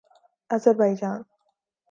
Azerbaijan